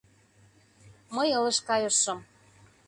Мый ылыж кайышым.